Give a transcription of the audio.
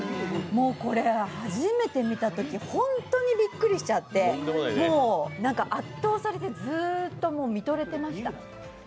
これ初めて見たとき、ホントにびっくりしちゃって、圧倒されてずーっと見とれてました。